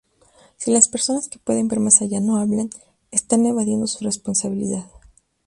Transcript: Si las personas que pueden ver más allá no hablan, están evadiendo su responsabilidad.